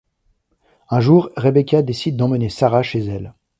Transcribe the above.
Un jour, Rebecca décide d'emmener Sarah chez elle.